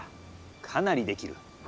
かなりできる。